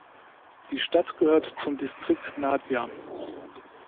Die Stadt gehört zum Distrikt Nadia.